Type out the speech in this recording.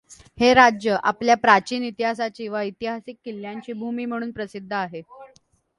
हे राज्य आपल्या प्राचीन इतिहासाची व ऐतिहासिक किल्यांची भूमी म्हणून प्रसिद्ध आहे.